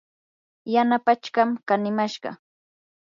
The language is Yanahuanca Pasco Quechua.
yana pachkam kanimashqa.